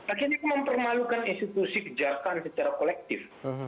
akhirnya mempermalukan institusi kejahatan secara kolektif